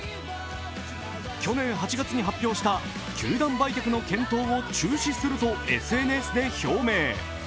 去年８月に発表した球団売却の検討を中止するとＳＮＳで表明。